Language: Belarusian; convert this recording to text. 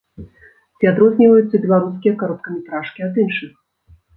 Ці адрозніваюцца беларускія кароткаметражкі ад іншых?